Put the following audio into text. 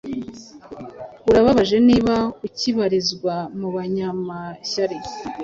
Urababaje niba ukibarizwa mubanyamashyari